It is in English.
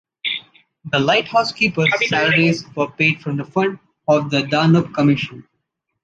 The lighthouse-keepers’ salaries were paid from a fund of the Danube Commission.